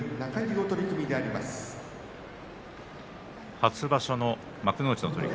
初場所の幕内の取組